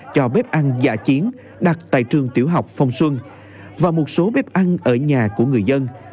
cho bếp ăn dạ chiến đặt tại trường tiểu học phong xuân và một số bếp ăn ở nhà của người dân